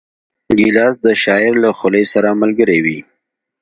ګیلاس د شاعر له خولې سره ملګری وي.